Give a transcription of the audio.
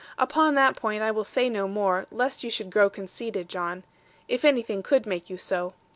Upon that point, I will say no more, lest you should grow conceited, John; if anything could make you so.